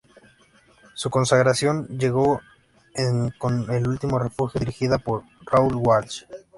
Su consagración llegó en con "El último refugio", dirigida por Raoul Walsh.